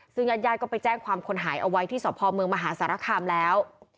ซึ่งญาติญาติก็ไปแจ้งความคนหายเอาไว้ที่สพเมืองมหาสารคามแล้ว